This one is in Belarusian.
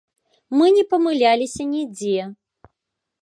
Мы не памыляліся нідзе.